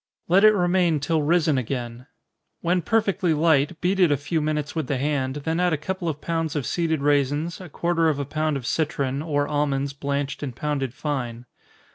Let it remain till risen again when perfectly light, beat it a few minutes with the hand, then add a couple of pounds of seeded raisins, a quarter of a pound of citron, or almonds blanched, and pounded fine.